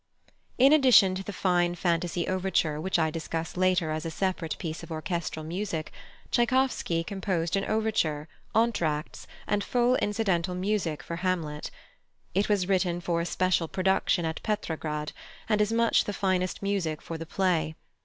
In addition to the fine "Fantasy Overture," which I discuss later as a separate piece of orchestral music, +Tschaikowsky+ composed an overture, entr'actes, and full incidental music for Hamlet. It was written for a special production at Petrograd, and is much the finest music for the play.